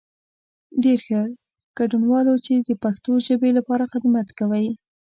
ډېر ښه، ګډنوالو چې د پښتو ژبې لپاره خدمت کوئ.